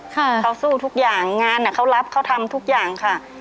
เขาสู้ทุกอย่างงานเขารับเขาทำทุกอย่างค่ะ